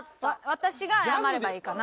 私が謝ればいいかな？